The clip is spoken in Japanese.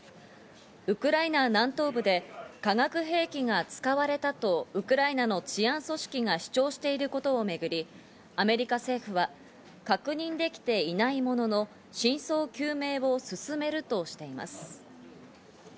ウクライナ南東部で化学兵器が使われたとウクライナの治安組織が主張していることをめぐり、アメリカ政府は確認できていないものの、真相究明を進めるとしています。